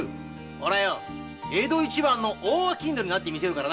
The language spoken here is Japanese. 俺は江戸一番の大商人になってみせるからな。